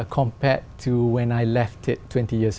so với khi tôi quay về việt nam